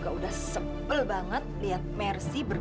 walaupun lo bilang capek